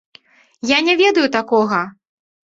Я не ведаю такога!